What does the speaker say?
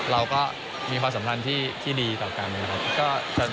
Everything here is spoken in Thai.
เราก็มีความสำคัญที่ดีต่อกัน